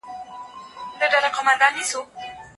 د قیامت په ورځ به پاک خلک بریالي وي.